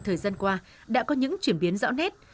thời gian qua đã có những chuyển biến rõ nét